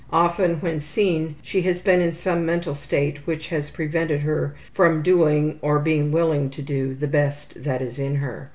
Often when seen she has been in some mental state which has prevented her from doing, or being willing to do, the best that is in her.